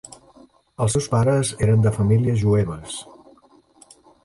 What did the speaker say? Els seus pares eren de famílies jueves.